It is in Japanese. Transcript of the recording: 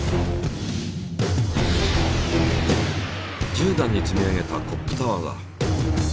１０段に積み上げたコップタワーだ。